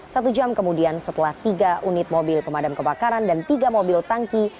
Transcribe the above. satu jam kemudian setelah tiga unit mobil pemadam kebakaran dan tiga mobil tangki